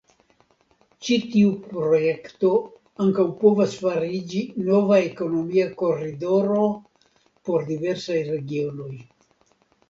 Ĉi tiu projekto ankaŭ povas fariĝi nova ekonomia koridoro por diversaj regionoj.